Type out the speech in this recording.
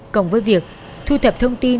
cộng với việc thu thập thông tin